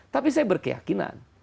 tapi saya berkeyakinan